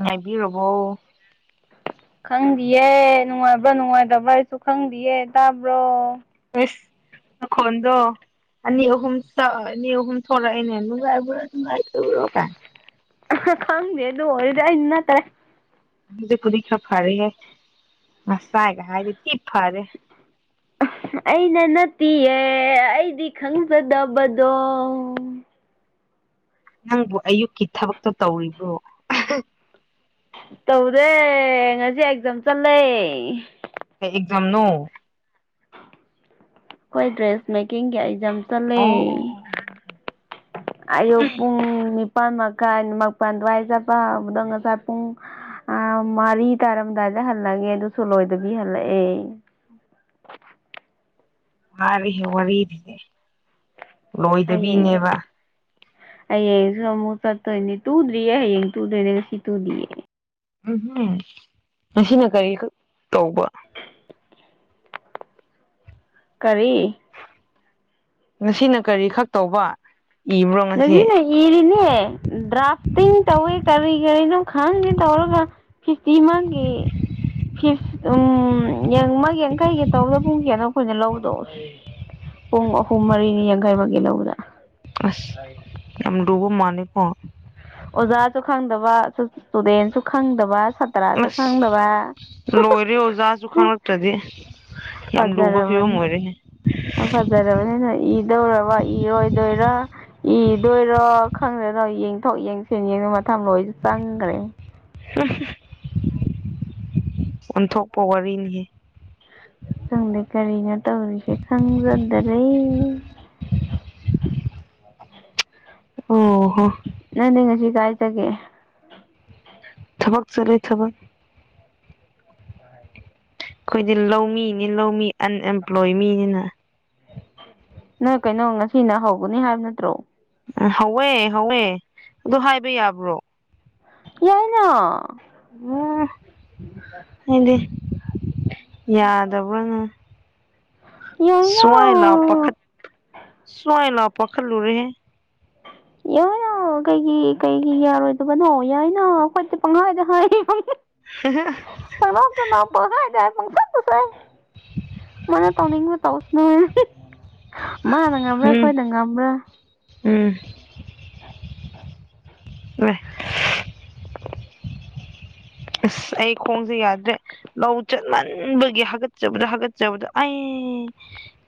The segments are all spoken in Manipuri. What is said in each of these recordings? ꯉꯥꯏꯕꯤꯔꯕꯣ [inaudible] ꯈꯪꯗꯤꯌꯦ ꯅꯨꯡꯉꯥꯏꯕ꯭ꯔꯥ ꯅꯨꯡꯉꯥꯏꯇꯕ꯭ꯔꯥ ꯍꯥꯏꯁꯨ ꯈꯪꯗꯌꯦ ꯇꯥꯕ꯭ꯔꯣ ꯑꯩꯁ ꯅꯈꯣꯟꯗꯣ ꯑꯅꯤ ꯑꯍꯨꯝ ꯇ ꯑꯅꯤ ꯑꯍꯨꯝ ꯊꯣꯂꯛꯑꯅꯦ ꯅꯨꯡꯉꯥꯏꯕ꯭ꯔꯥ ꯅꯨꯡꯉꯥꯏꯇꯕ꯭ꯔꯣ ꯀꯥꯏ ꯈꯔ ꯈꯪꯗꯦ ꯑꯗꯨ ꯑꯣꯏꯗꯤ ꯑꯩ ꯅꯠꯇ꯭ꯔꯔꯦ ꯑꯗꯨꯗꯤ ꯄꯨꯂꯤ ꯈꯥ ꯐꯔꯦꯍꯦ ꯉꯁꯥꯏꯒ ꯍꯥꯏꯔꯒꯗꯤ‌ ꯊꯤ ꯐꯔꯦ ꯑꯩꯅ ꯅꯠꯇꯤꯌꯦ ꯑꯩꯗꯤ ꯈꯪꯖꯗꯕꯗꯣ ꯅꯪꯕꯨ ꯑꯌꯨꯛꯀꯤ ꯊꯕꯛꯇꯣ ꯇꯧꯔꯤꯕ꯭ꯔꯣ ꯇꯧꯗꯦ ꯉꯁꯤ ꯑꯦꯛꯖꯥꯝ ꯆꯠꯂꯦ ꯀꯪ ꯑꯦꯛꯖꯝꯅꯣ ꯈꯣꯏ ꯗ꯭ꯔꯦꯁ ꯃꯦꯀꯤꯡꯒꯤ ꯑꯦꯛꯖꯝ ꯆꯠꯂꯦ ꯑꯣ ꯑꯣ ꯑꯣ ꯑꯌꯨꯛ ꯄꯨꯡ ꯅꯤꯄꯥꯥꯟ ꯃꯈꯥꯏ ꯃꯄꯥꯟ ꯗꯨꯋꯥꯏ ꯆꯠꯄ ꯍꯧꯕꯗꯣ ꯉꯁꯥꯏ ꯄꯨꯡ ꯑ ꯃꯔꯤ ꯇꯥꯔꯝꯗꯥꯏꯗ ꯍꯜꯂꯒꯦ ꯑꯗꯨꯁꯨ ꯂꯣꯏꯗꯕꯤ ꯍꯜꯂꯛꯑꯦ ꯃꯥꯔꯤꯍꯦ ꯋꯥꯔꯤꯔꯤꯗꯤꯍꯦ ꯍꯥꯌꯦꯡꯁꯨ ꯍꯥꯌꯦꯡꯁꯨ ꯑꯃꯨꯛ ꯆꯠꯇꯣꯏꯅꯤ ꯇꯨꯗ꯭ꯔꯤꯌꯦ ꯍꯌꯦꯡ ꯇꯨꯗꯣꯏꯅꯦꯒ ꯉꯁꯤ ꯇꯨꯗꯤꯌꯦ ꯎꯝ ꯉꯁꯤꯅ ꯀꯩ ꯈꯛ ꯇꯧꯕ ꯀꯔꯤ ꯉꯁꯤꯅ ꯀꯔꯤ ꯈꯛ ꯇꯧꯕ ꯏꯕ꯭ꯔꯣ ꯉꯁꯤ [unintelligible] ꯏꯔꯤꯅꯦ ꯗ꯭ꯔꯥꯐꯇꯤꯡ ꯇꯧꯋꯦ ꯀꯔꯤ ꯀꯔꯤꯅꯣ ꯈꯪꯗꯦ ꯇꯧꯔꯒ ꯐꯤꯐꯇꯤ ꯃꯥꯒꯤ ꯐꯤꯐ ꯎꯝ ꯌꯥꯝꯃꯩ ꯌꯥꯡꯈꯩꯒꯤ ꯇꯧꯕꯗꯣ ꯄꯨꯡ ꯀꯥꯅꯣ ꯑꯩꯈꯣꯏꯅ ꯂꯧꯕꯗꯣ ꯄꯨꯡ ꯑꯍꯨꯝ ꯃꯔꯤꯅꯤ ꯌꯥꯡꯈꯩꯃꯒꯤ ꯂꯧꯕꯗ ꯑꯁ [inaudible] ꯌꯥꯝ ꯂꯨꯕ ꯃꯥꯅꯦꯀꯣ ꯑꯣꯖꯥꯁꯨ ꯈꯪꯗꯕ ꯏꯁꯇꯨꯗꯦꯟꯁꯨ ꯈꯪꯗꯕ ꯁꯥꯇ꯭ꯔꯁꯨ ꯑꯁ ꯈꯪꯗꯕ ꯂꯣꯏꯔꯦ ꯑꯣꯖꯥꯁꯨ ꯈꯪꯂꯛꯇ꯭ꯔꯗꯤ ꯌꯥꯝ ꯂꯨꯕ ꯐꯤꯕꯝ ꯐꯖꯔꯕꯅꯤ ꯑꯣꯏꯔꯦꯍꯦ ꯐꯖꯔꯕꯅꯤꯅ ꯏꯗꯧꯔꯕ ꯏꯔꯣꯏꯗꯣꯏꯔ ꯏꯗꯣꯏꯔꯣ ꯈꯪꯗꯦꯗ ꯌꯦꯡꯊꯣꯛ ꯌꯦꯡꯁ ꯌꯦꯡꯕꯗ ꯃꯊꯪ ꯂꯣꯏꯁꯨ ꯆꯪꯈ꯭ꯔꯦ [unintelligible] ꯑꯣꯟꯊꯣꯛꯄ ꯋꯥꯔꯤꯅꯤꯍꯦ ꯈꯪꯗꯦ ꯀꯔꯤꯅꯣ ꯇꯧꯔꯤꯁꯦ ꯈꯪꯖꯗꯔꯦ ꯑꯣ ꯍꯣ ꯅꯪꯗꯤ ꯉꯁꯤ ꯀꯥꯏ ꯆꯠꯀꯦ ꯊꯕꯛ ꯆꯠꯂꯦ ꯊꯕꯛ ꯑꯩꯈꯣꯏꯗꯤ ꯂꯧꯃꯤꯅꯤ ꯂꯧꯃꯤ ꯑꯟꯑꯦꯝꯄ꯭ꯂꯣꯏ ꯃꯤꯅꯤꯅ ꯅꯣꯏ ꯀꯩꯅꯣ ꯉꯁꯤꯅ ꯍꯧꯒꯅꯤ ꯍꯥꯏꯕ ꯅꯠꯇ꯭ꯔꯣ ꯎꯝ ꯍꯧꯋꯦ ꯍꯧꯋꯦ ꯑꯗꯨ ꯍꯥꯏꯕ ꯌꯥꯕ꯭ꯔꯣ ꯌꯥꯏꯅ ꯎꯝ ꯑꯩꯗꯤ ꯌꯥꯗꯕꯅ ꯌꯥꯏꯅ ꯁꯋꯥꯏ ꯂꯥꯎ ꯄꯈꯠ ꯁꯋꯥꯏ ꯂꯥꯎ ꯄꯈꯠꯂꯨꯨꯔꯍꯦ ꯌꯥꯏꯅ ꯀꯩꯒꯤ ꯀꯩꯒꯤ ꯌꯥꯔꯣꯏꯗꯕꯅꯣ ꯌꯥꯏꯅ ꯑꯩꯈꯣꯏ ꯄꯪꯍꯥꯏꯗ ꯍꯥꯏꯌꯦ [inaudible] ꯄꯪꯅꯣꯛꯇ ꯅꯣꯛ [unintelligible] ꯄꯪꯁꯪꯇ ꯁꯣꯏ ꯃꯥꯅ ꯇꯧꯅꯤꯡꯕ ꯇꯧꯁꯅꯣꯍꯦ ꯃꯥꯅ ꯉꯝꯕ꯭ꯔꯥ ꯎꯝ ꯑꯩꯈꯣꯏꯅ ꯉꯝꯕ꯭ꯔꯥ ꯎꯝ [inaudible] [inaudible] ꯑꯁ ꯑꯩ ꯈꯣꯡꯁꯦ ꯌꯥꯗ꯭ꯔꯦ ꯂꯧ ꯆꯠꯃꯟꯕꯒꯤ ꯍꯥꯒꯠꯆꯕꯗ ꯍꯥꯒꯠꯆꯕꯗ ꯑꯩ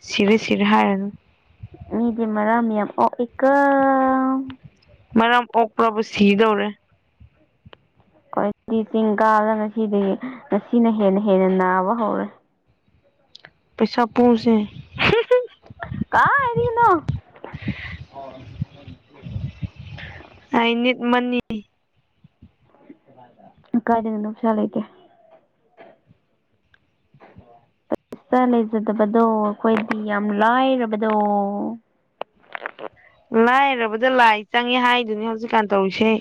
ꯁꯤꯔꯦ ꯁꯤꯔꯦ ꯍꯥꯏꯔꯅꯨ ꯃꯤꯗꯤ ꯃꯔꯝꯌꯥꯝ ꯑꯣꯛꯑꯦꯀꯣ ꯃꯔꯝ ꯑꯣꯛꯄ꯭ꯔꯕꯨ ꯁꯤꯗꯧꯔꯦ ꯑꯩꯈꯣꯏꯗꯤ ꯆꯤꯡ ꯀꯥꯔ ꯉꯁꯤꯗꯤ ꯉꯁꯤꯅ ꯍꯦꯟꯅ ꯍꯦꯟꯅ ꯅꯥꯕ ꯍꯧꯔꯦ ꯄꯩꯁꯥ ꯄꯨꯁꯦ ꯀꯥꯏꯗꯒꯤꯅꯣ ꯑꯥꯏ ꯅꯤꯠ ꯃꯅꯤ ꯑꯗꯨ ꯀꯥꯏꯗꯩꯅꯣ ꯅꯨꯁꯤ ꯂꯩꯇꯦ [inaudible] ꯄꯩꯁꯥ ꯂꯩꯖꯗꯕꯗꯣ ꯑꯩꯈꯣꯏꯗꯤ ꯌꯥꯝ ꯂꯥꯏꯔꯕꯗꯣ [inaudible] ꯂꯥꯏꯔꯕꯗ ꯂꯥꯏ ꯆꯪꯉꯦ ꯍꯥꯏꯗꯨꯅꯤ ꯍꯧꯖꯤꯛꯀꯥꯟ ꯇꯧꯔꯤꯁꯦ ꯑꯩ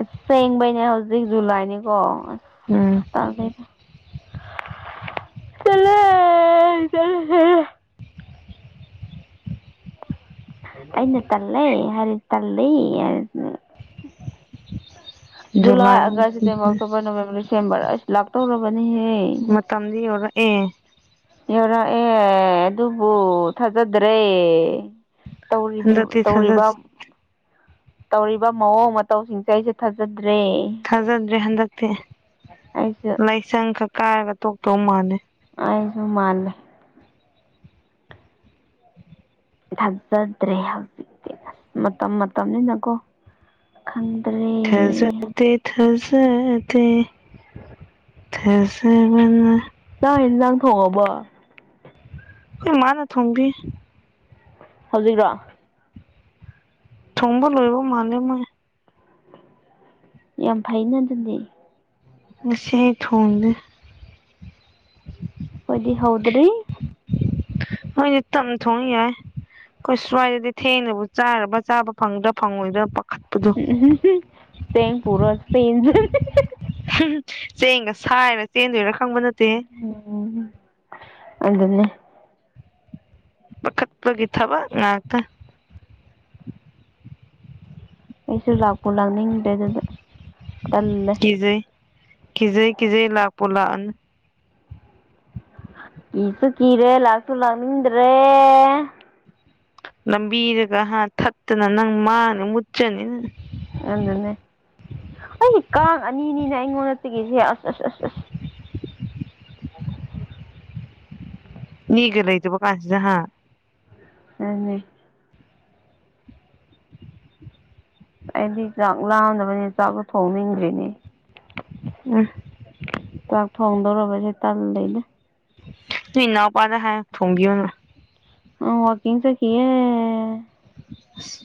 ꯑꯁꯦꯡꯕꯩꯅꯦ ꯍꯧꯖꯤꯛ ꯖꯨꯂꯥꯏꯅꯤꯀꯣ ꯑꯁ ꯎꯝ ꯆꯠꯂꯦ ꯆꯠꯂꯦ ꯆꯠꯂꯦ ꯑꯩꯅ ꯇꯜꯂꯦ ꯍꯥꯏꯔꯗꯤ ꯇꯜꯂꯦ ꯍꯥꯏꯔ July August September October November December ꯑꯁ ꯂꯥꯛꯇꯧꯔꯕꯅꯤꯍꯦ ꯃꯇꯝꯗꯤ ꯌꯧꯔꯛꯑꯦ ꯌꯧꯔꯛꯑꯦ ꯑꯗꯨꯕꯨ ꯊꯥꯖꯗ꯭ꯔꯦ ꯇꯧꯔꯤꯕ꯭ꯌꯨ ꯍꯟꯗꯛꯇꯤ ꯊꯥꯖ ꯇꯧꯔꯤꯕ ꯇꯧꯔꯤꯕ ꯃꯑꯣꯡ ꯃꯇꯧꯁꯤꯡꯁꯦ ꯑꯩꯁꯦ ꯊꯥꯖꯗ꯭ꯔꯦ ꯊꯥꯖꯗ꯭ꯔꯦ ꯍꯟꯗꯛꯇꯤ ꯑꯩꯁꯨ ꯂꯥꯏꯁꯪ ꯈꯛ ꯀꯥꯔꯒ ꯇꯣꯛꯇꯧ ꯃꯥꯜꯂꯦ ꯑꯩꯁꯨ ꯃꯥꯥꯟꯂꯦ ꯊꯥꯖꯗ꯭ꯔꯦ ꯍꯧꯖꯤꯛꯇꯤ ꯑꯁ ꯃꯇꯝ ꯃꯇꯝꯅꯤꯅꯀꯣ ꯈꯪ ꯊꯥꯖꯗꯦ ꯊꯥꯖꯗꯦ ꯊꯥꯖꯕꯅ ꯆꯥꯛ ꯍꯤꯟꯖꯥꯡ ꯊꯣꯡꯉꯕꯣ ꯑꯩꯈꫭꯏ ꯃꯥꯅ ꯊꫭꯡꯕꯤ ꯍꯧꯖꯤꯛꯔꯣ ꯊꯣꯡꯕ ꯂꯣꯏꯕ ꯃꯥꯜꯂꯦ ꯃꯥꯏ ꯌꯥꯝ ꯐꯩꯩꯅ ꯑꯗꯨꯗꯤ ꯉꯁꯤ ꯑꯩ ꯊꯣꯡꯗꯦ ꯈꯣꯏꯗꯤ ꯍꯧꯗ꯭ꯔꯤ ꯅꯣꯏꯗꯤ ꯇꯞꯅ ꯊꯣꯡ ꯌꯥꯏ ꯈꯣꯏ ꯁ꯭ꯋꯥꯏꯗꯗꯤ ꯊꯦꯡꯅꯕꯨ ꯆꯥꯔꯕ ꯆꯥꯕ ꯐꯪꯗ꯭ꯔꯥ ꯐꯪꯉꯣꯏꯗ꯭ꯔꯥ ꯄꯥ ꯎꯝ ꯎꯍꯨꯝ ꯍꯨꯝ ꯆꯦꯡ ꯄꯨꯔꯣ [unintelligible] ꯆꯦꯡꯒ ꯁꯥꯏꯔ ꯆꯦꯟꯗꯣꯏꯔꯥ ꯈꯪꯕ ꯅꯠꯇꯦ ꯎꯝ ꯑꯗꯨꯅꯦ ꯄꯥꯈꯠꯄꯒꯤ ꯊꯕꯛ ꯉꯥꯛꯇ ꯑꯩꯁꯨ ꯂꯥꯛꯄꯨ ꯂꯥꯛꯅꯤꯡꯗꯦ ꯑꯗꯨꯗ ꯇꯜꯂꯦ ꯀꯤꯖꯩ ꯀꯤꯖꯩ ꯀꯤꯖꯩ ꯂꯥꯛꯄꯨ ꯂꯥꯛꯑꯅꯨ ꯀꯤꯁꯨ ꯀꯤꯔꯦ ꯂꯥꯛꯁꯨ ꯂꯥꯛꯅꯤꯡꯗ꯭ꯔꯦ ꯂꯝꯕꯤꯗꯒ ꯍꯥ ꯊꯠꯇꯅ ꯅꯪ ꯃꯥꯡꯅꯤ ꯃꯨꯠꯆꯅꯤ ꯅꯪ ꯑꯗꯨꯅꯦ ꯑꯩꯗꯤ ꯀꯥꯡ ꯑꯅꯤꯅꯤꯅ ꯑꯩꯉꯣꯟꯗ ꯆꯤꯛꯏꯁꯦ ꯑꯁ ꯑꯁ ꯑꯁ ꯑꯁ ꯃꯤꯒ ꯂꯩꯇꯕ ꯀꯥꯟꯁꯤꯗ ꯍꯥ ꯑꯅꯦ ꯑꯩꯗꯤ ꯆꯥꯛ ꯂꯥꯝꯗꯕꯅꯤ ꯆꯥꯛꯁꯨ ꯊꯣꯡꯅꯤꯡꯗ꯭ꯔꯤꯅꯦ ꯎꯝ ꯆꯥꯛ ꯊꯣꯡꯗꯣꯔꯕꯁꯦ ꯇꯜꯂꯩꯗ ꯅꯣꯏ ꯏꯅꯥꯎꯄꯥꯗ ꯍꯥꯏꯌꯣ ꯊꯣꯡꯕꯤꯌꯣꯅ ꯃꯥ ꯋꯥꯛꯀꯤꯡ ꯆꯠꯈꯤꯌꯦ ꯑꯁ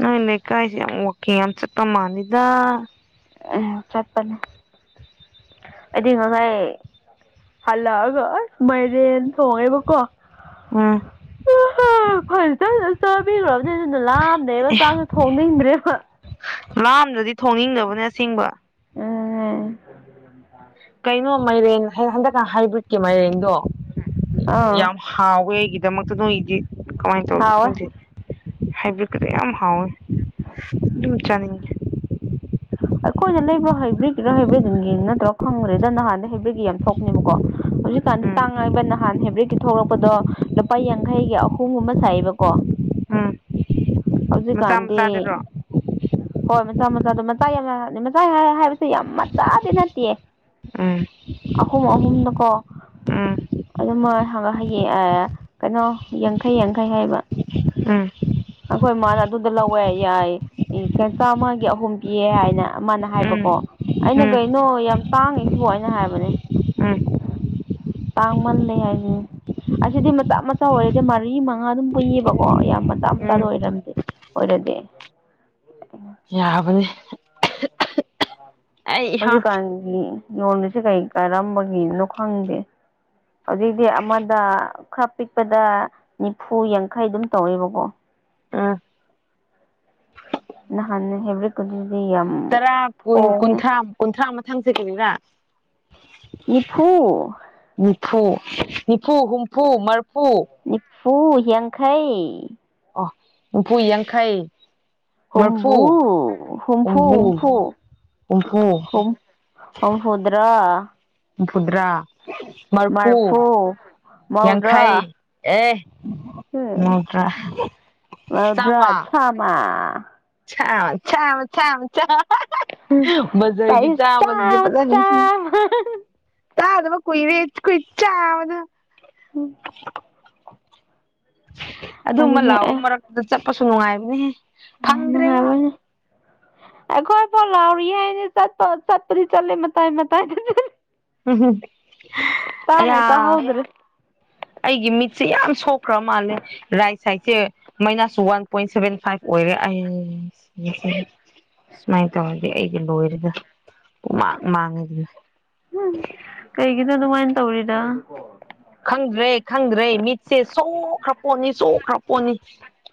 ꯅꯣꯏ ꯂꯩꯀꯥꯏꯁꯦ ꯌꯥꯝ ꯋꯥꯛꯀꯤꯟ ꯌꯥꯝ ꯆꯠꯄ ꯃꯥꯜꯂꯤꯗ [unintelligible] ꯆꯠꯄꯅꯦ ꯑꯩꯗꯤ ꯉꯁꯥꯏ ꯍꯜꯂꯛꯑꯒ ꯑꯁ ꯃꯥꯏꯔꯦꯟ ꯊꯣꯡꯉꯦꯕꯀꯣ ꯎꯝ [unintelligible] ꯐꯖꯅ ꯆꯥꯕꯤꯒ꯭ꯔꯕꯅꯤꯅ ꯑꯗꯨꯅ ꯂꯥꯝꯗꯦꯕ ꯆꯥꯛꯁꯨ ꯊꯣꯡꯅꯤꯡꯗ꯭ꯔꯦꯕ ꯂꯥꯝꯗ꯭ꯔꯗꯤ ꯊꯣꯡꯅꯤꯡꯗꯕꯅꯦ ꯑꯁꯦꯡꯕ ꯑꯗꯨꯅꯦ ꯀꯩꯅꯣ ꯃꯥꯏꯔꯦꯟ ꯍ ꯍꯟꯗꯛꯀ ꯍꯥꯏꯕ꯭ꯔꯤꯠꯀꯤ ꯃꯥꯏꯔꯦꯟꯗꯣ ꯑꯥ ꯌꯥꯝ ꯍꯥꯎꯋꯦ ꯑꯩꯒꯤꯗꯃꯛꯇ ꯅꯣꯏꯒꯤꯗꯤ ꯀꯃꯥꯏꯅ ꯇꯧꯔꯤꯅꯣ ꯍꯥꯎꯋꯦ ꯈꯪꯗꯦ ꯍꯩꯕꯔ꯭ꯤꯗ ꯒꯤꯗꯣ ꯌꯥꯝ ꯍꯥꯎꯋꯦ ꯗꯨꯝ ꯆꯥꯅꯤꯡꯉꯦ ꯑꯩꯈꯣꯏꯅ ꯂꯩꯕ ꯍꯩꯕ꯭ꯔꯤꯗ ꯒꯤꯔ ꯍꯩꯕ꯭ꯔꯤꯗ ꯒꯤ ꯅꯠꯇ꯭ꯔꯣ ꯈꯪꯗ꯭ꯔꯦꯗ ꯅꯍꯥꯟꯗ ꯍꯩꯕ꯭ꯔꯤꯗꯀꯤ ꯌꯥꯝ ꯊꯣꯛꯄꯥꯅꯦꯕꯀꯣ ꯍꯧꯖꯤꯛꯀꯥꯟꯗꯤ ꯎꯝ ꯇꯥꯡꯉꯛꯑꯦꯕ ꯅꯍꯥꯟ ꯍꯦꯕ꯭ꯔꯤꯗꯀꯤ ꯊꯣꯛꯂꯛꯄꯗꯣ ꯂꯨꯄꯥ ꯌꯥꯡꯈꯩꯒꯤ ꯑꯍꯨꯝ ꯒꯨꯝꯕꯥ ꯁꯥꯏꯌꯦꯕꯀꯣ ꯎꯝ ꯍꯧꯖꯤꯛ ꯃꯆꯥ ꯀꯥꯟꯗꯤ ꯃꯆꯥꯗꯨꯔꯣ ꯍꯣꯏ ꯃꯆꯥ ꯃꯆꯥꯗꯣ ꯃꯆꯥ ꯌꯥꯝ ꯌꯥꯝ ꯃꯆꯥ ꯍꯥꯏ ꯍꯥꯏ ꯍꯥꯏꯕꯁꯦ ꯌꯥꯝ ꯃꯆꯥꯗꯤ ꯅꯠꯇꯤꯌꯦ ꯎꯝ ꯑꯍꯨꯝ ꯑꯍꯨꯝꯗꯀꯣ ꯎꯝ ꯎꯝ ꯑꯗꯨꯃ ꯉꯥꯏꯔꯦ ꯐꯪꯉꯥ ꯍꯌꯦꯡ ꯑꯥ ꯀꯩꯅꯣ ꯌꯥꯡꯈꯩ ꯌꯥꯡꯈꯩ ꯍꯥꯏꯕ ꯎꯝ ꯑꯩꯈꯣꯏ ꯃꯥꯅ ꯑꯗꯨꯗ ꯂꯧꯋꯦ ꯌꯥꯏ ꯑꯦ ꯆꯥꯝꯃꯒꯤ ꯑꯍꯨꯝ ꯄꯤꯌꯦ ꯍꯥꯏꯅ ꯃꯅꯥ ꯍꯥꯏꯕꯀꯣ ꯎꯝ ꯑꯩꯅ ꯎꯝ ꯀꯩꯅꯣ ꯌꯥꯝ ꯇꯥꯡꯉꯦ ꯁꯤꯕꯨ ꯑꯩꯅ ꯍꯥꯏꯕꯅꯦ ꯎꯝ ꯇꯥꯡꯃꯜꯂꯦ ꯍꯥꯏꯕꯅꯦ ꯑꯁꯤꯗꯤ ꯃꯆꯥ ꯃꯆꯥ ꯑꯣꯏꯔꯗꯤ ꯃꯔꯤ ꯃꯉꯥ ꯑꯗꯨꯝ ꯄꯨꯏꯌꯦꯕꯀꯣ ꯌꯥꯝ ꯃꯆꯥ ꯃꯆꯥꯗꯣ ꯎꯝ ꯑꯣꯏꯔꯝꯗꯦ ꯑꯣꯏꯔꯗꯤ ꯌꯥꯕꯅꯦ ꯍꯧꯖꯤꯛꯀꯥꯟꯒꯤ ꯌꯣꯟꯕꯁꯦ ꯀꯩ ꯀꯔꯝꯕꯒꯤꯅꯣ ꯈꯪꯗꯦ ꯍꯧꯖꯤꯛꯇꯤ ꯑꯃꯗ ꯈꯥ ꯄꯤꯛꯄꯗ ꯅꯤꯐꯨ ꯌꯥꯡꯈꯩ ꯑꯗꯨꯝ ꯇꯧꯌꯦꯕꯀꯣ ꯎꯝ ꯅꯥꯍꯟꯅ ꯍꯦꯕꯔ꯭ꯤꯗ ꯀꯤꯗꯨꯗꯤ ꯌꯥꯝ ꯇꯔꯥ ꯀꯨꯟ ꯍꯣꯡꯉꯦ ꯀꯨꯟꯊ꯭ꯔꯥ ꯀꯨꯟꯊ꯭ꯔꯥ ꯃꯊꯪ ꯁꯤ ꯀꯔꯤꯔꯥ ꯅꯤꯐꯨ ꯅꯤꯐꯨ ꯅꯤꯐꯨ ꯍꯨꯝꯐꯨ ꯃꯔꯐꯨ ꯅꯤꯄꯨ ꯌꯥꯡꯈꯩ ꯑꯣ ꯎꯐꯨ ꯌꯥꯡꯈꯩ ꯃꯔꯐꯨ ꯍꯨꯝꯕꯨ ꯍꯨꯝꯐꯨ ꯍꯨꯝꯐꯨ ꯍꯨꯝꯐꯨ ꯍꯨꯝ ꯍꯨꯝ ꯎꯗꯔꯣ ꯍꯨꯝꯐꯨꯗ꯭ꯔꯥ ꯃꯔꯐꯨ ꯌꯥꯡꯈꯩ ꯃꯧꯗ꯭ꯔꯥ ꯑꯦ ꯃꯧꯗ꯭ꯔꯥ ꯆꯝꯃꯥ ꯆꯥꯝꯃꯥ ꯆꯝꯃꯥ ꯆꯝꯃꯥ ꯆꯝꯃꯥ ꯆꯝ [unintelligible] ꯚꯥꯖꯔ ꯒꯤ ꯄꯥꯏꯁ ꯆꯥꯝꯃꯥ ꯁꯤꯗꯤ ꯆꯥꯝꯃ ꯐꯖꯅꯥ ꯅꯨꯡꯁꯤ ꯆꯥꯝꯃ ꯇꯥꯗꯕꯥ ꯀꯨꯏꯔꯦ ꯈꯣꯏ ꯆꯝꯃꯥꯗꯣ ꯑꯗꯨꯃꯥ ꯑꯗꯨꯅꯦ ꯂꯧꯕ ꯃꯔꯛꯗ ꯆꯠꯄꯁꯨ ꯅꯨꯡꯉꯥꯏꯕꯅꯦꯍꯦ ꯑ ꯐꯪꯗ꯭ꯔꯦꯉꯣ ꯅꯨꯡꯉꯥꯏꯕꯅꯦ ꯑꯩꯈꯣꯏ ꯐꯧ ꯂꯥꯎꯔꯤꯌꯦ ꯑꯩꯗꯤ ꯆꯠꯄ ꯆꯠꯄꯗꯤ ꯆꯠꯂꯦ ꯃꯇꯥꯏ ꯃꯇꯥꯏꯗꯥꯅꯦ ꯎꯝ ꯍꯨꯝ ꯇꯥꯕꯨ ꯇꯥ ꯍꯧꯗꯔꯦ ꯑꯩꯒꯤ ꯃꯤꯠꯁꯦ ꯌꯥꯝ ꯁꯣꯛꯈ꯭ꯔ ꯃꯥꯜꯂꯦ ꯔꯥꯏꯠ ꯁꯥꯏꯗꯁꯦ minus one point seven five ꯑꯣꯏꯔꯦ ꯑꯩ ꯁꯨꯃꯥꯏꯅ ꯇꯧꯔꯗꯤ ꯑꯩꯗꯤ ꯂꯣꯏꯔꯦꯗ ꯄꯨꯡꯃꯥꯡ ꯃꯥꯡꯉꯤꯗꯅ ꯎꯝ ꯀꯩꯒꯤꯅꯣ ꯑꯗꯨꯃꯥꯏꯅ ꯇꯧꯔꯤꯗꯣ ꯈꯪꯗ꯭ꯔꯦ ꯈꯪꯗ꯭ꯔꯦ ꯃꯤꯠꯁꯦ ꯁꯣꯛꯈ꯭ꯔꯥ ꯄꯣꯠꯅꯤ ꯁꯣꯛꯈ꯭ꯔꯥ ꯄꯣꯠꯅꯤ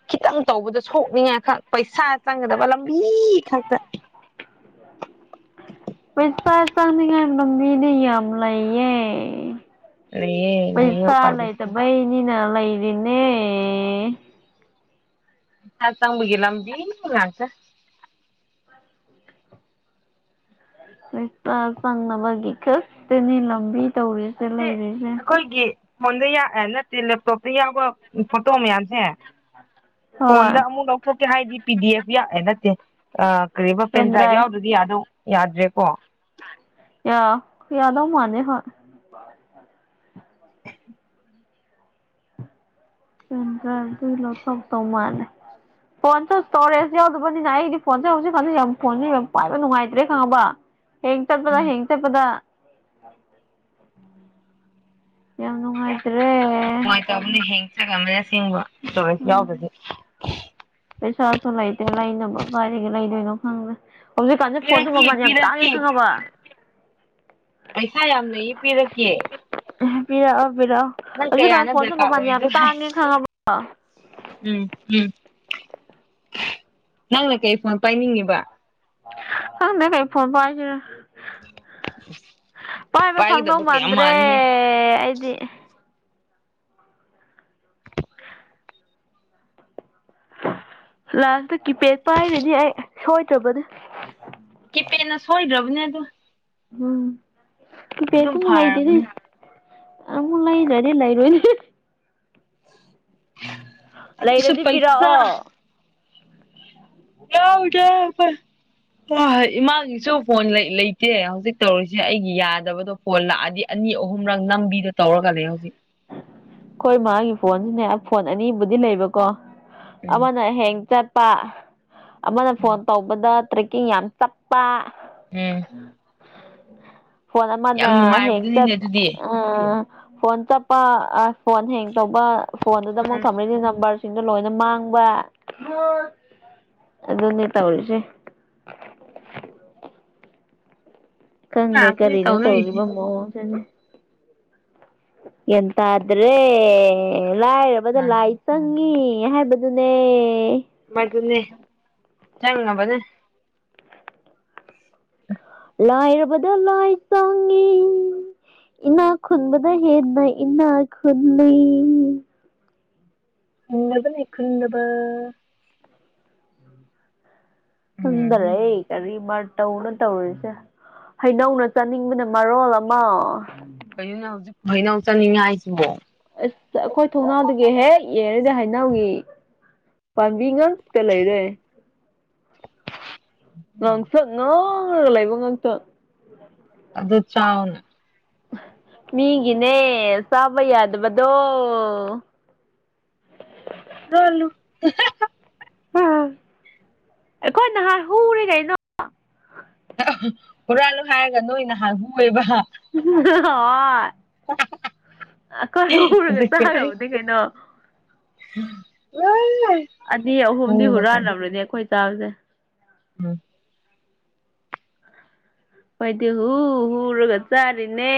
ꯈꯤꯇꯪ ꯇꯧꯕꯗꯣ ꯁꯣꯛꯅꯤꯡꯉꯥꯏ ꯈꯛ ꯄꯩꯁꯥ ꯆꯪꯒꯗꯕ ꯂꯝꯕꯤ ꯈꯛꯇ ꯄꯩꯁꯥ ꯆꯥꯅꯤꯉꯥꯏ ꯃꯃꯤꯗꯤ ꯌꯥꯝ ꯂꯩꯌꯦ ꯂꯩꯌꯦ ꯂꯩꯌꯦ ꯄꯩꯁꯥ ꯎꯄꯥꯏ ꯂꯩꯇꯦ ꯂꯩꯇꯕꯩꯅꯤꯅ ꯂꯩꯔꯤꯅꯦ ꯁꯥ‌ ꯆꯪꯕꯒꯤ ꯂꯝꯕꯤ‌ ꯉꯥꯛꯇ ꯄꯩꯁꯥ‌ ꯆꯪꯅꯕꯒꯤ ꯈꯛꯇꯅꯤ ꯂꯝꯕꯤ ꯇꯧꯔꯤꯁꯦ ꯑꯁꯦ ꯂꯩꯔꯤꯁꯦ ꯑꯩꯈꯣꯏꯒꯤ ꯐꯣꯟꯗ ꯌꯥ ꯅꯠꯇꯦ ꯂꯦꯞꯇꯣꯞꯇ ꯌꯥꯎꯕ ꯐꯣꯇꯣ ꯃꯌꯥꯝꯁꯦ ꯍꯣꯏ ꯐꯣꯟꯗ ꯑꯃꯨꯛ ꯂꯧꯊꯣꯛꯀꯦ ꯍꯥꯏꯗꯤ ꯄꯤ ꯗꯤ ꯑꯦꯐ ꯌꯥꯛ ꯑꯦ ꯅꯠꯇꯦ ꯑꯥ ꯀꯔꯤꯕ ꯄꯦꯟꯗ꯭ꯔꯥꯏꯠ ꯄꯦꯟꯗ꯭ꯔꯥꯏꯚ ꯌꯥꯎꯗꯗꯤ ꯌꯥꯗꯧ ꯌꯥꯗ꯭ꯔꯦꯀꯣ ꯌꯥ ꯌꯥꯗꯧ ꯃꯟꯗꯦ ꯍꯣꯏ [inaudible] ꯐꯣꯟ ꯆꯥꯔꯆꯇꯩ ꯂꯧꯊꯣꯛꯇꯧ ꯃꯥꯜꯂꯦ ꯐꯣꯟꯁꯨ ꯁ꯭ꯇꯣꯔꯦꯖ ꯌꯥꯎꯗꯕꯅꯤꯅ ꯑꯩꯗꯤ ꯐꯣꯟꯁꯦ ꯍꯧꯖꯤꯛꯀꯥꯟꯖꯤ ꯌꯥꯝ ꯐꯣꯟꯖꯤ ꯌꯥꯝ ꯄꯥꯏꯕ ꯅꯨꯡꯉꯥꯏꯇ꯭ꯔꯦ ꯈꯪꯉꯕ ꯍꯦꯡ ꯆꯠꯄꯗ ꯎꯝ ꯍꯦꯡ ꯆꯠꯄꯗ ꯌꯥꯝ ꯅꯨꯡꯉꯥꯏꯇ꯭ꯔꯦ ꯕꯅꯦ ꯍꯦꯡ ꯆꯠ ꯆꯠꯀꯟꯕꯅꯦ ꯑꯁꯦꯡꯕ ꯏꯁꯇꯣꯔꯦꯁ ꯎꯝ ꯌꯥꯎꯗꯕꯒꯤ ꯄꯩꯁꯥꯁꯨ ꯂꯩꯇꯦ ꯂꯩꯅꯕ ꯀꯗꯥꯢꯗꯒꯤ ꯂꯩꯗꯣꯏꯅꯣ ꯈꯪꯗ꯭ꯔꯦ ꯍꯧꯖꯤꯛꯀꯥꯟꯖꯦ ꯐꯣꯟꯖꯨ ꯄꯤꯔꯛꯀꯦ ꯃꯃꯜ ꯌꯥꯝ ꯇꯥꯡꯉꯦ ꯄꯤꯔꯛꯀꯦ ꯈꯪꯉꯕ ꯄꯩꯁꯥ ꯌꯥꯝ ꯂꯩꯌꯦ ꯄꯤꯔꯛꯀꯦ ꯑꯦ ꯄꯤꯔꯛꯑꯣ ꯄꯤꯔꯛꯑꯣ ꯅꯪ ꯍꯧꯖꯤꯛꯀꯥꯟ ꯀꯌꯥꯅꯣ ꯐꯣꯟꯁꯨ ꯗꯔꯀꯥꯔ ꯃꯃꯟ ꯌꯥꯝ ꯑꯣꯏꯔꯤꯗꯣ ꯍꯥꯏ ꯇꯥꯡꯉꯦ ꯈꯪꯉꯕꯣ ꯎꯝ ꯎꯝ ꯅꯪꯅ ꯀꯩ ꯐꯣꯟ ꯄꯥꯏꯅꯤꯡꯉꯤꯕ ꯈꯪꯗꯦ ꯀꯩ ꯐꯣꯟ ꯄꯥꯏꯗꯨꯏꯅꯣ ꯄꯥꯏꯕ ꯐꯪꯗꯧ ꯄꯥꯏꯒꯗꯕ ꯀꯌꯥꯝ ꯃꯥꯟꯗ꯭ꯔꯦ ꯃꯥꯜꯂꯤꯍꯦ ꯑꯩꯗꯤ ꯂꯥꯁꯇ ꯀꯤꯄꯦꯗ ꯄꯥꯏꯔꯅꯤ ꯑꯩ ꯁꯣꯏꯗ꯭ꯔꯕꯅꯦ ꯀꯤꯄꯦꯠꯅ ꯁꯣꯏꯗ꯭ꯔꯕꯅꯦ ꯑꯗꯣ ꯎꯝ ꯑꯗꯨꯝ ꯐꯔꯕꯅꯦ [unintelligible] ꯑꯃꯨꯛ ꯂꯩꯗꯔꯗꯤ ꯂꯩꯔꯣꯅꯦ ꯑꯗꯨꯁꯨ ꯂꯩꯔꯗꯤ ꯄꯩꯁꯥ ꯄꯤꯔꯛꯑꯣ ꯌꯥꯎꯗꯦ ꯈꯣꯏ ꯍ ꯏꯃꯥꯒꯤꯁꯨ ꯐꯣꯟ ꯂꯩ ꯂꯩꯇꯦ ꯍꯧꯖꯤꯛ ꯇꯧꯔꯤꯁꯦ ꯑꯩꯒꯤ ꯌꯥꯗꯕꯗꯣ ꯐꯣꯟ ꯂꯥꯛꯑꯗꯤ ꯑꯅꯤ ꯑꯍꯨꯝꯔꯛ ꯅꯝꯕꯤꯗꯣ ꯇꯧꯔꯒ ꯂꯩ ꯍꯧꯖꯤꯛ ꯈꯣꯏ ꯃꯥꯒꯤ ꯐꯣꯟꯁꯤꯅꯦ ꯐꯣꯟ ꯑꯅꯤꯕꯨꯗꯤ ꯂꯩꯕꯀꯣ ꯎꯝ ꯑꯃꯅ ꯍꯦꯡ ꯆꯠ ꯄꯥ ꯑꯃꯅ ꯐꯣꯟ ꯎꯝ ꯇꯧꯕꯗ ꯇ꯭ꯔꯦꯛꯀꯤꯡ ꯌꯥꯝ ꯆꯞꯄ ꯎꯝ ꯐꯣꯟ ꯌꯥꯝ ꯑꯃꯅ ꯍꯦꯛꯇ ꯅꯨꯡꯉꯥꯏꯕꯗꯨꯅꯤꯅꯦ ꯑꯗꯨꯗꯤ ꯎꯝ ꯐꯣꯟ ꯆꯞꯄ ꯑꯥꯏ ꯐꯣꯟ ꯍꯦꯡ ꯇꯧꯕ ꯐꯣꯟꯗꯨꯗ ꯑꯃꯨꯛ ꯎꯝ ꯊꯝꯔꯤꯅꯤ ꯅꯝꯕꯔ ꯁꯤꯡꯗꯣ ꯂꯣꯏꯅ ꯃꯥꯡꯕ ꯑꯗꯨꯅꯦ ꯇꯧꯔꯤꯁꯦ ꯈꯪꯗꯦ ꯉꯥꯛꯇꯅꯤ ꯀꯔꯤꯅꯣ ꯇꯧꯅꯔꯤꯁꯦ ꯇꯧꯔꯤꯕ ꯃꯑꯣꯡꯁꯤꯅꯦ ꯒ꯭ꯌꯥꯟꯇꯗ꯭ꯔꯦ ꯂꯥꯏꯔꯕꯗ ꯂꯥꯏ ꯆꯪꯉꯤ ꯍꯥꯏꯕꯗꯨꯅꯦ ꯃꯗꯨꯅꯦ ꯆꯪꯅꯕꯅꯦ ꯂꯥꯏꯔꯕꯗ ꯂꯥꯏ ꯆꯪꯉꯤ ꯏꯅꯥꯛ ꯈꯨꯟꯕꯗꯩ ꯍꯦꯟꯅ ꯏꯅꯥꯛ ꯈꯨꯜꯂꯤ ꯈꯨꯟꯗꯕꯅꯤ ꯈꯨꯟꯗꯕ ꯌꯨꯝꯗ ꯎꯝ ꯂꯩ ꯀꯔꯤ ꯃꯇꯧꯅꯣ ꯇꯧꯔꯤꯁꯦ ꯍꯩꯅꯧꯅ ꯆꯥꯅꯤꯡꯕꯅ ꯃꯔꯣꯜ ꯑꯃ ꯀꯩꯅꯣꯅꯦ ꯍꯧꯖꯤꯛꯄꯨ ꯍꯩꯅꯧ ꯆꯠꯅꯤꯡꯉꯦ ꯍꯥꯏꯁꯤꯕꯣ ꯑꯁ ꯑꯩꯈꯣꯏ ꯊꯣꯡꯅꯥꯎꯗꯒꯤ ꯍꯦꯛ ꯌꯦꯡꯔꯗꯤ ꯍꯥꯏꯅꯧꯒꯤ ꯄꯥꯝꯕꯤ ꯉꯥꯛꯛꯇ ꯂꯩꯔꯦ꯫ ꯎꯝ ꯉꯥꯡꯁꯨ ꯉꯥꯡꯒ ꯂꯩꯕ ꯉꯥꯡꯇ꯫ ꯑꯗꯨ ꯆꯥꯎꯅ ꯃꯤꯒꯤꯅꯦ ꯆꯥꯕ ꯌꯥꯗꯕꯗꯣ꯫ ꯍꯨꯂꯥꯜꯂꯨ [unintelligible] ꯎꯝ ꯑꯈꯣꯏ ꯅꯍꯥꯟ ꯍꯨꯔꯦ ꯀꯩꯅꯣ ꯍꯨꯔꯥꯜꯂꯨ ꯍꯥꯏꯔꯒ ꯅꯣꯏꯅ ꯍꯨꯔꯦꯕ꯫ ꯍꯣꯏꯈꯣꯏ ꯎꯔꯒ ꯇꯥꯔꯕꯗꯤ ꯀꯩꯅꯣ ꯎ [unintelligible] ꯑ ꯑꯍꯨꯝꯗꯤ ꯍꯨꯔꯥꯟꯅꯕ꯭ꯔꯅꯦ ꯑꯩꯈꯣꯏ ꯆꯥꯕꯁꯦ ꯎꯝ ꯃꯣꯏꯗꯤ ꯍꯨ ꯍꯔꯒ ꯆꯥꯔꯤꯅꯦ